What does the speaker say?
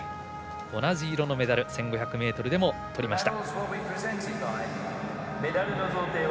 同じ色のメダル１５００ｍでもとりました。